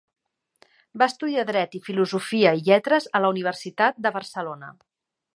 Va estudiar dret i filosofia i lletres a la Universitat de Barcelona.